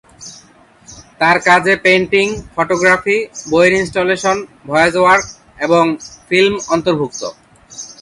তার কাজে painting, photography, বইয়ের ইনস্টলেশন, ভয়েস ওয়ার্ক এবং ফিল্ম অন্তর্ভুক্ত।